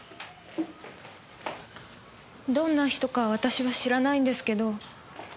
どんな人か私は知らないんですけど。